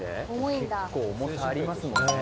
結構重さありますもんね。